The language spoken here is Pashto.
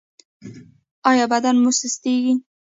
ایا بدن مو سستیږي؟